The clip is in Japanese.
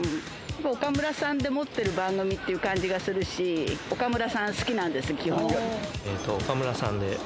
岡村さんでもってる番組っていう感じがするし、岡村さん好きなん岡村さんで。